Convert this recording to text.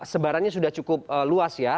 sebarannya sudah cukup luas ya